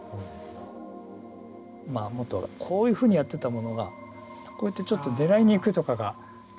もっとこういうふうにやってたものがこうやってちょっと狙いにいくとかがちょっとずつ出てくる。